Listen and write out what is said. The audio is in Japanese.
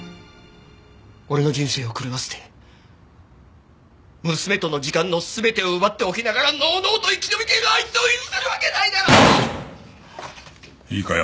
俺の人生を狂わせて娘との時間の全てを奪っておきながらのうのうと生き延びているあいつを許せるわけないだろう！いいか？